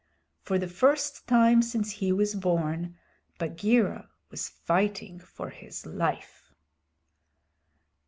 For the first time since he was born, Bagheera was fighting for his life.